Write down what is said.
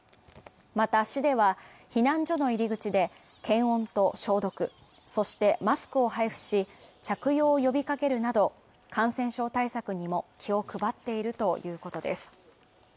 また市では避難所の入り口で検温と消毒、そしてマスクを配布し着用を呼びかけるなど感染症対策にも気を配っているということです